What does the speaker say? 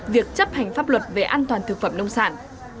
việc chấp hành pháp luật về an toàn thực phẩm nông sản